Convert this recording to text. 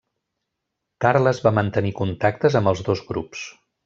Carles va mantenir contactes amb els dos grups.